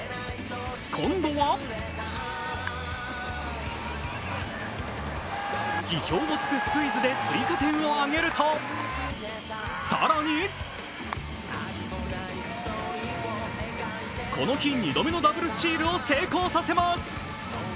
今度は意表をつくスクイズで追加点を挙げると、更に、この日二度目のダブルスチールを成功させます。